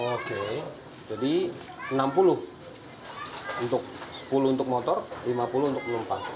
oke jadi enam puluh untuk sepuluh untuk motor lima puluh untuk penumpang